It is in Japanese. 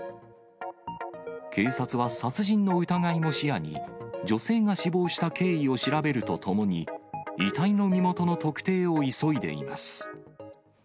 警察は殺人の疑いも視野に女性が死亡した経緯を調べるとともに、遺体の身元の特定を急いでいます。